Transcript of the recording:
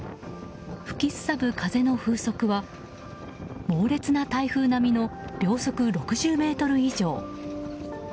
吹きすさぶ風の風速は猛烈な台風並みの秒速６０メートル以上。